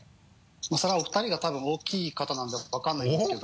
それはお二人が多分大きい方なんだか分かんないんですけど。